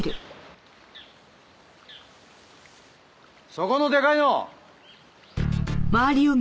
そこのでかいの！